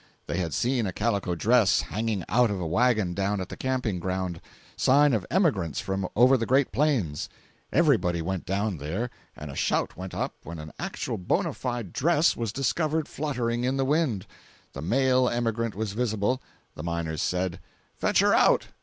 They had seen a calico dress hanging out of a wagon down at the camping ground—sign of emigrants from over the great plains. Everybody went down there, and a shout went up when an actual, bona fide dress was discovered fluttering in the wind! The male emigrant was visible. The miners said: "Fetch her out!"